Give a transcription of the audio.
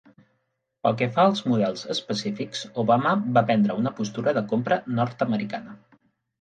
Pel que fa als models específics, Obama va prendre una postura de compra nord-americana.